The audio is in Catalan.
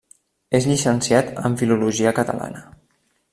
És llicenciat en Filologia Catalana.